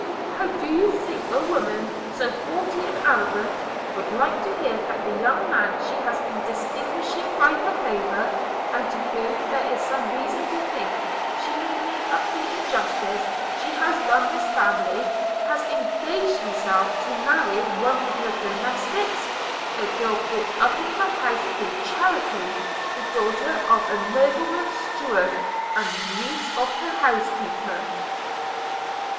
How do you think a woman so haughty and arrogant would like to hear that the young man she has been distinguishing by her favour, and to whom there is some reason to think she may make up the injustice she has done this family, has engaged himself to marry one of her domestics; a girl brought up in her house through charity, the daughter of a nobleman's steward, and the niece of her housekeeper?'